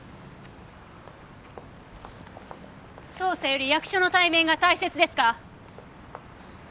捜査より役所の体面が大切ですか？